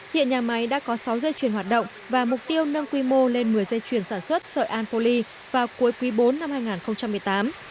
hiện nhà máy đã có sáu dây chuyền hoạt động và mục tiêu nâng quy mô lên một mươi dây chuyền sản xuất sợi anpoly vào cuối quý bốn năm hai nghìn một mươi tám